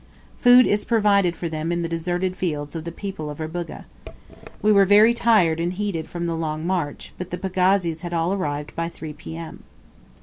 Food is provided for them in the deserted fields of the people of Rubuga. We were very tired and heated from the long march, but the pagazis had all arrived by 3 p.m.